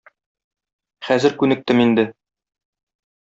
Хәзер күнектем инде.